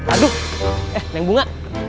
aduh eh neng bunga